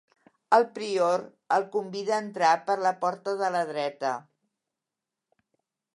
El prior el convida a entrar per la porta de la dreta.